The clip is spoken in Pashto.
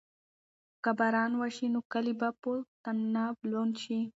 که باران وشي نو کالي به په طناب لوند شي.